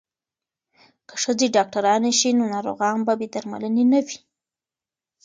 که ښځې ډاکټرانې شي نو ناروغان به بې درملنې نه وي.